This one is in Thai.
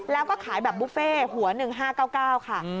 แล้วก็ขายแบบบุฟเฟ่หัว๑๕๙๙ค่ะ